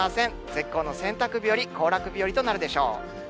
絶好の洗濯日和、行楽日和となるでしょう。